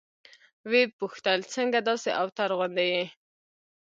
ويې پوښتل څنگه داسې اوتر غوندې يې.